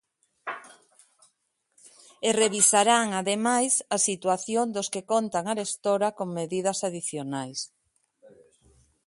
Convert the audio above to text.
E revisarán ademais a situación dos que contan arestora con medidas adicionais.